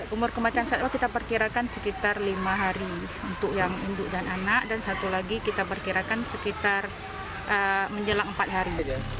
umur kematian satwa kita perkirakan sekitar lima hari untuk yang induk dan anak dan satu lagi kita perkirakan sekitar menjelang empat hari